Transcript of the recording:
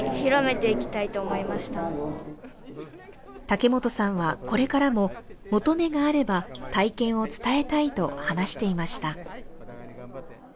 竹本さんはこれからも求めがあれば体験を伝えたいと話していました。